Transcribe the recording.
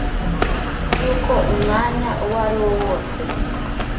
by'uko umwanya uwo ari wo wose